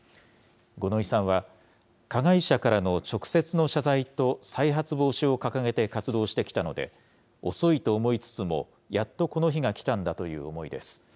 五ノ井さんは、加害者からの直接の謝罪と再発防止を掲げて活動してきたので、遅いと思いつつも、やっとこの日が来たんだという思いです。